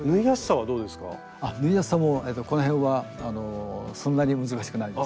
縫いやすさもこのへんはそんなに難しくないです。